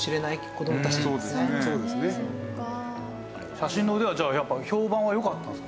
写真の腕はじゃあやっぱ評判は良かったんですか？